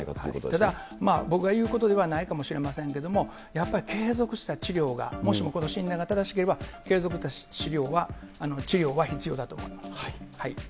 ただ、僕が言うことではないかもしれませんけれども、やっぱり継続した治療がもしも、この診断が正しければ、継続的な治療は必要だと思います。